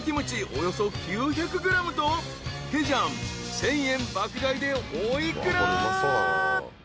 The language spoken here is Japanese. およそ９００ｇとケジャン１，０００円爆買いでお幾ら？］